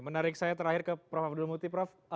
menarik saya terakhir ke prof abdul muti prof